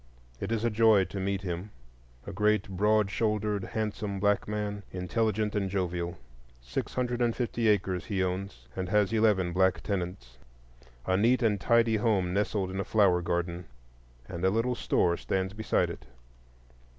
It is a joy to meet him,—a great broad shouldered, handsome black man, intelligent and jovial. Six hundred and fifty acres he owns, and has eleven black tenants. A neat and tidy home nestled in a flower garden, and a little store stands beside it.